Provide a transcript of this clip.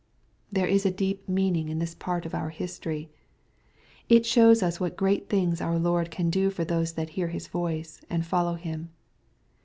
^« There is a deep meaning in this part of our history. It shows us what great things our Lord can do for those that hear His voice^ and follow Him.